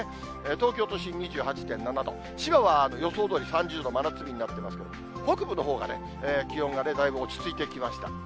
東京都心２８．７度、千葉は予想どおり３０度、真夏日になってますけど、北部のほうがね、気温がだいぶ落ち着いてきました。